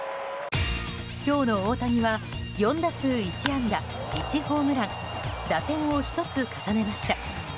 今日の大谷は４打数１安打１ホームラン打点を１つ重ねました。